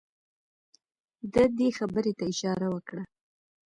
ده دې خبرې ته اشاره وکړه.